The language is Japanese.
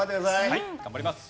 はい頑張ります。